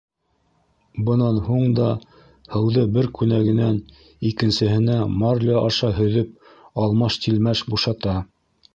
Бынан һуң да һыуҙы бер күнәгенән икенсеһенә марля аша һөҙөп алмаш-тилмәш бушата.